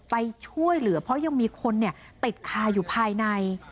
ไปช่วยเหลือเพราะยังมีคนติดคาอยู่ภายใน